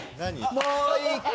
もう一回！